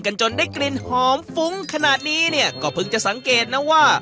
จนได้กลิ่นหอมฟุ้งขนาดนี้เนี่ยก็เพิ่งจะสังเกตนะว่า